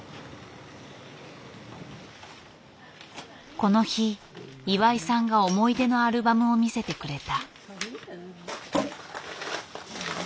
この日岩井さんが思い出のアルバムを見せてくれた。